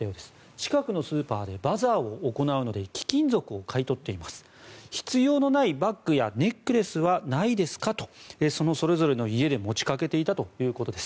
近くのスーパーでバザーを行うので貴金属を買い取っています必要のないバッグやネックレスはないですかとそのそれぞれの家で持ちかけていたということです。